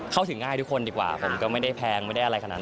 เข้าถึงง่ายทุกคนดีกว่าผมก็ไม่ได้แพงไม่ได้อะไรขนาดนั้น